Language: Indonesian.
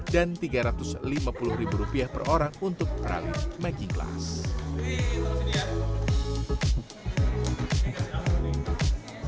dan rp tiga ratus lima puluh per orang untuk pralin making class